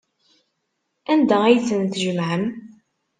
Anda ay ten-tjemɛem?